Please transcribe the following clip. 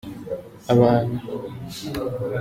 abana.